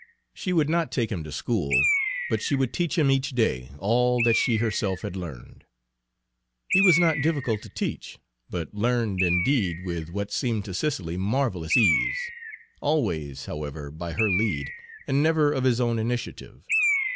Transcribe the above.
She would not take him to school, but she would teach him each day all that she herself had learned. He was not difficult to teach, but learned, indeed, with what seemed to Cicely marvelous ease, always, however, by her lead, and never of his own initiative.